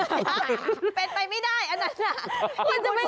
เป็นไปไม่ได้นั่น